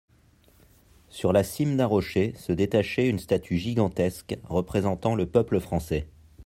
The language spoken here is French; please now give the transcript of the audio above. Sur la cime d'un rocher se détachait une statue gigantesque représentant le peuple français.